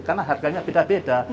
karena harganya tidak beda